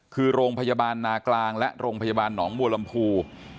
คือโรงพยาบาลนากลางและโรงพยาบาลหนองบัวลำพู